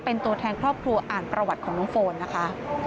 เป็นตัวแทนครอบครัวอ่านประวัติของน้องโฟนนะคะ